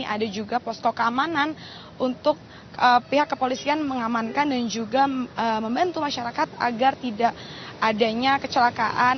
ada juga posko keamanan untuk pihak kepolisian mengamankan dan juga membantu masyarakat agar tidak adanya kecelakaan